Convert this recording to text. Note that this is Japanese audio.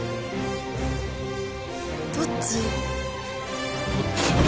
どっち？